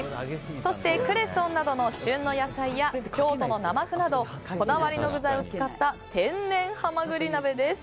そして、クレソンなどの旬の野菜や京都の生麩などこだわりの具材を使った「天然」はまぐり鍋です。